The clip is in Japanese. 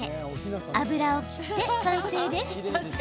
油を切って完成です。